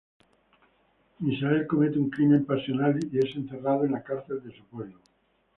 Misael comete un crimen pasional y es encerrado en la cárcel de su pueblo.